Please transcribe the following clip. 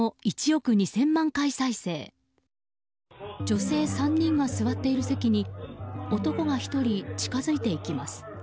女性３人が座っている席に男が１人近づいていきます。